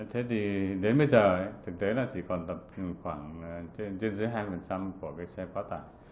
thế thì đến bây giờ thực tế là chỉ còn tập trung khoảng trên dưới hai của cái xe quá tải